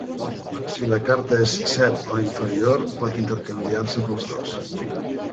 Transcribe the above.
Si la carta és set o inferior, pot intercanviar-se pel dos.